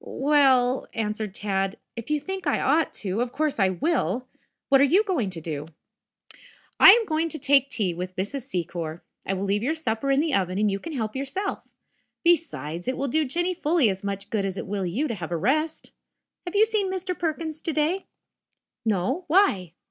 "W e l l," answered Tad. "If you think I ought to, of course I will. What are you going to do?" "I am going out to take tea with Mrs. Secor. I will leave your supper in the oven and you can help yourself. Besides, it will do Jinny fully as much good as it will you to have a rest. Have you seen Mr. Perkins to day?" "No. Why?"